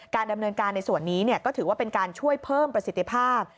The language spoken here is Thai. ดำเนินการในส่วนนี้ก็ถือว่าเป็นการช่วยเพิ่มประสิทธิภาพ